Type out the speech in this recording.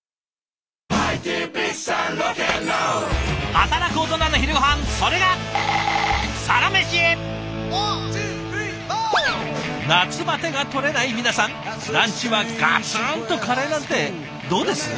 働くオトナの昼ごはんそれが夏バテがとれない皆さんランチはガツンとカレーなんてどうです？